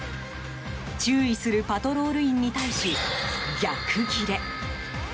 注意するパトロール員に対し逆ギレ。